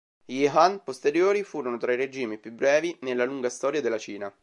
Gli Han posteriori furono tra i regimi più brevi nella lunga storia della Cina.